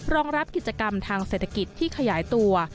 รองรับกิจกรรมทางเศรษฐกิจที่ขยายตัว